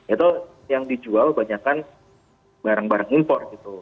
itu yang dijual banyakkan barang barang import gitu